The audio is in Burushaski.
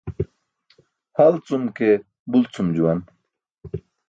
Halcum ke bulcum juwan.